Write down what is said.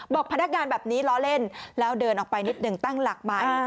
พนักงานแบบนี้ล้อเล่นแล้วเดินออกไปนิดหนึ่งตั้งหลักใหม่